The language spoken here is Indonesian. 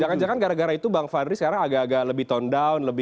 jangan jangan gara gara itu bang fadli sekarang agak agak lebih tone down